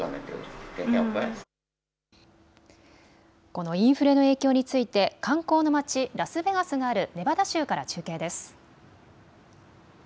このインフレの影響について観光の街、ラスベガスがあるネバダ州から中継です。